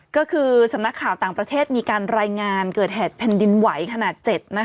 ก็คือสำนักข่าวต่างประเทศมีการรายงานเกิดเหตุแผ่นดินไหวขนาด๗